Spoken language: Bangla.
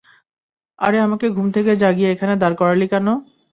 আরে আমাকে ঘুম থেকে জাগিয়ে এখানে দাঁড় করালি কেন?